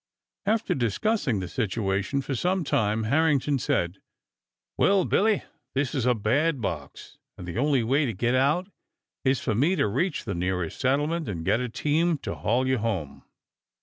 After discussing the situation for some time, Harrington said: "Well, Billy, this is a bad box, and the only way to get out is for me to reach the nearest settlement and get a team to haul you home."